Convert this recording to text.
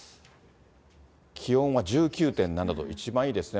気温は１９．７度、一番いいですね。